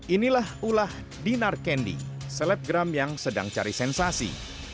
inilah ulah dinar kendi selebgram yang sedang cari sensasi